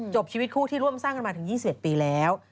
ชีวิตคู่ที่ร่วมสร้างกันมาถึง๒๑ปีแล้ว